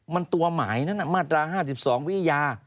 มันตัวหมายนั้นมาตรา๕๒วิทยา